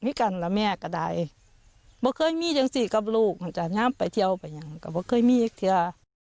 ไม่กันแล้วแม่ก็ได้ไม่เคยมีจังสิกับลูกจากนั้นไปเที่ยวไปอย่างนั้นก็ไม่เคยมีอีกเที่ยว